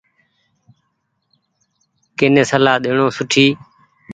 ڪني سلآ ڏيڻو سوٺي۔